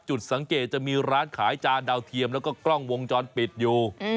จุดสังเกตจะมีร้านขายจานดาวเทียมแล้วก็กล้องวงจรปิดอยู่